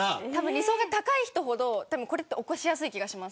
理想が高い人ほどこれは起こしやすい気がします。